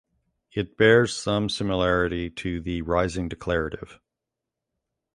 It bears some similarity to the rising declarative.